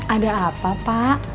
ada apa pak